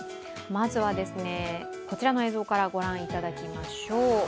まずはこちらの映像からご覧いただきましょう。